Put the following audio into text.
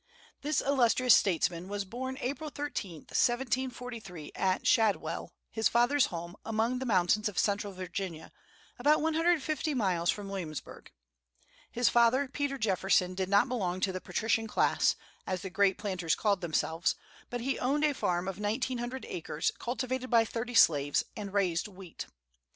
This illustrious statesman was born April 13, 1743, at "Shadwell," his father's home, among the mountains of Central Virginia, about one hundred and fifty miles from Williamsburg. His father, Peter Jefferson, did not belong to the patrician class, as the great planters called themselves, but he owned a farm of nineteen hundred acres, cultivated by thirty slaves, and raised wheat.